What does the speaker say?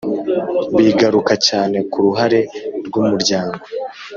bigaruka cyane ku ruhare rw’umuryango